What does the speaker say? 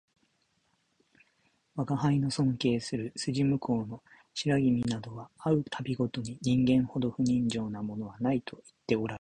吾輩の尊敬する筋向こうの白君などは会う度毎に人間ほど不人情なものはないと言っておらるる